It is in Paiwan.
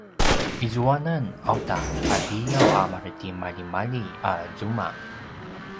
izuanan auta a liyaw a maretimaljimalji a zuma